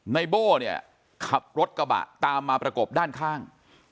ในโบ้เนี่ยขับรถกระบะตามมาประกบด้านข้าง